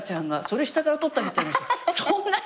それ下から撮ったみたいなそんな。